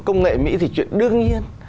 công nghệ mỹ thì chuyện đương nhiên